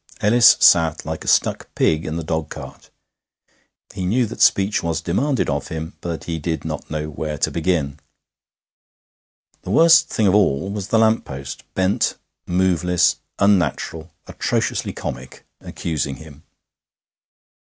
Ellis sat like a stuck pig in the dogcart. He knew that speech was demanded of him, but he did not know where to begin. The worst thing of all was the lamp post, bent, moveless, unnatural, atrociously comic, accusing him.